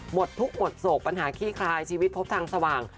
หมดทุกข์หมดโศกปัญหาขี้คลายชีวิตพบทางสว่าง